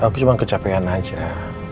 aku cuma kecapean aja